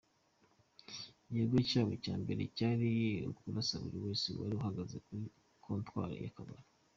Igikorwa cyabo cya mbere cyari ukurasa buri wese wari uhagaze kuri kontwari y’akabari.